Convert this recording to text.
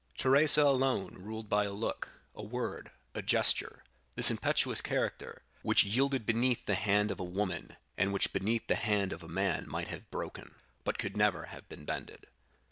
Teresa alone ruled by a look, a word, a gesture, this impetuous character, which yielded beneath the hand of a woman, and which beneath the hand of a man might have broken, but could never have been bended.